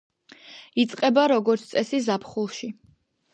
იწყება როგორც წესი, ზაფხულში.